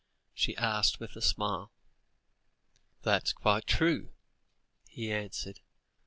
she asked, with a smile. "That's quite true," he answered.